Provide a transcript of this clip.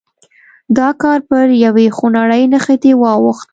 دا کار پر یوې خونړۍ نښتې واوښت.